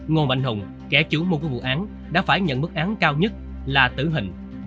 ngôn bạch hùng kẻ chủ môn của vụ án đã phải nhận mức án cao nhất là tử hình